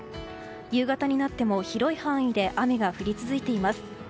夕方になっても広い範囲で雨が降り続いています。